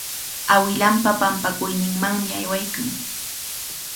Awilanpa pampakuyninmanmi aywaykan.